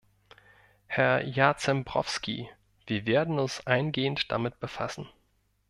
Herr Jarzembowski, wir werden uns eingehend damit befassen.